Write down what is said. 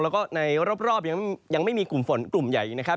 แล้วก็ในรอบยังไม่มีกลุ่มฝนกลุ่มใหญ่นะครับ